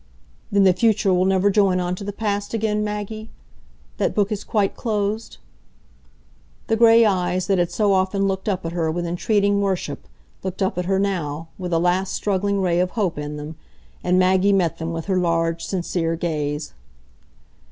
"Then the future will never join on to the past again, Maggie? That book is quite closed?" The gray eyes that had so often looked up at her with entreating worship, looked up at her now, with a last struggling ray of hope in them, and Maggie met them with her large sincere gaze.